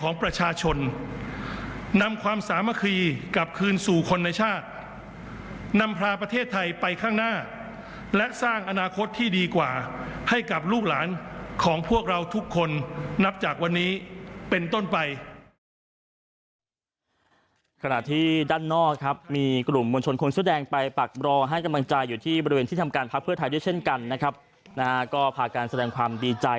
มุ่งมั่นประชาชนได้แถลงในฐานะนายกรัฐมนตรีคนใหม่ว่าจะมุ่งมั่นประชาชนได้แถลงในฐานะนายกรัฐมนตรีคนใหม่ว่าจะมุ่งมั่นประชาชนได้แถลงในฐานะนายกรัฐมนตรีคนใหม่ว่าจะมุ่งมั่นประชาชนได้แถลงในฐานะนายกรัฐมนตรีคนใหม่ว่าจะมุ่งมั่นประชาชนได้แถลงในฐานะนายกรัฐมนตรีคนใหม่